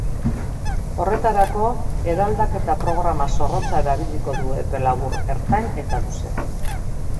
Horretarako, eraldaketa-programa zorrotza erabiliko du epe labur, ertain eta luzera.